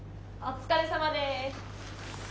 お疲れさまです。